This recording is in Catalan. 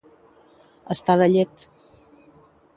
Estar de llet.